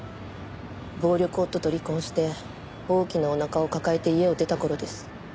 暴力夫と離婚して大きなおなかを抱えて家を出た頃です。